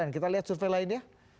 kita lihat survei lainnya